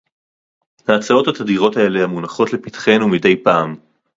ההצעות התדירות האלה המונחות לפתחנו מדי פעם